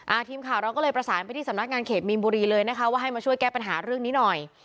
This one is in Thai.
ทีมข่าวเราก็เลยประสานไปที่สำนักงานเขตมีนบุรีเลยนะคะว่าให้มาช่วยแก้ปัญหาเรื่องนี้หน่อย